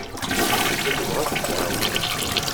Tella tebɣa ad ten-tɛawen.